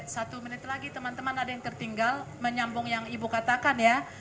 satu menit lagi teman teman ada yang tertinggal menyambung yang ibu katakan ya